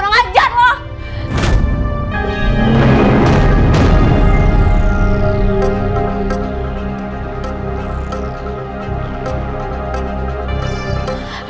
tanggung jawab loh haris